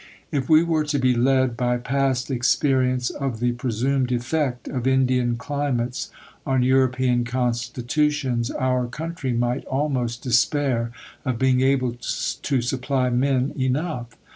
If we were to be led by past experience of the presumed effect of Indian climates on European constitutions, our country might almost despair of being able to supply men enough....